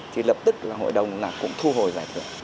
thì lập tức là hội đồng cũng thu hồi giải thưởng